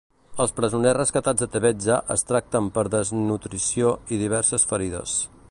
Els presoners rescatats de Tebezza es tracten per desnutrició i diverses ferides.